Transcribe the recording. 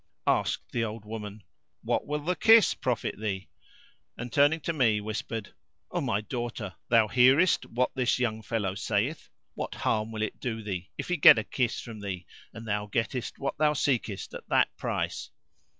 Asked the old woman, "What will the kiss profit thee?"; and, turning to me, whispered, "O my daughter, thou hearest what this young fellow saith? What harm will it do thee if he get a kiss from thee and thou gettest what thou seekest at that price?"